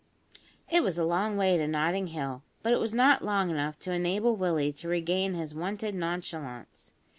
It was a long way to Notting Hill; but it was not long enough to enable Willie to regain his wonted nonchalance.